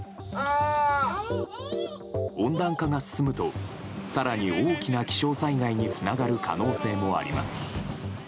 温暖化が進むと更に大きな気象災害につながる可能性もあります。